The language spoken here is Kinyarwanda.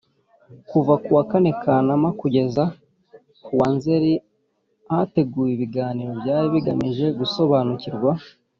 Kuva kuwa kane Kanama kugeza kuwa Nzeri hateguwe ibiganiro byari bigamije gusobanukirwa